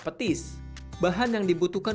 petis bahan yang dibutuhkan